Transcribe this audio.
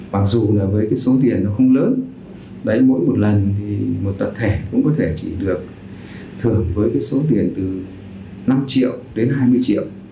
mặc dù với số tiền không lớn mỗi lần một tập thể cũng có thể chỉ được thưởng với số tiền từ năm triệu đến hai mươi triệu